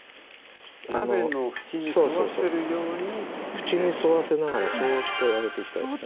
縁に沿わせながらそっと揚げていきたいですね。